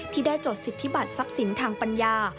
ที่ได้จดสิทธิบัตรทรัพย์สินทางปัญญา